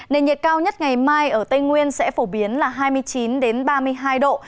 nền nhiệt cao nhất ngày mai ở tây nguyên sẽ phổ biến là hai mươi chín ba mươi hai độ